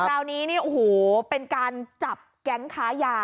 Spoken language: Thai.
คราวนี้เนี่ยโอ้โหเป็นการจับแก๊งค้ายา